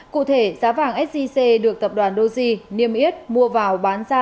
cụ thể giá vàng sgc được tập đoàn doge niêm yết mua vào bán ra